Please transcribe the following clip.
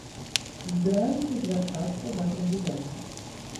Збіраемся звяртацца да прэзідэнта.